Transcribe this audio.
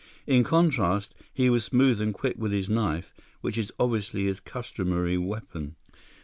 In contrast, he was smooth and quick with his knife, which is obviously his customary weapon."